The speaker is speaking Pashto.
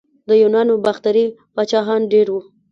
د یونانو باختري پاچاهان ډیر وو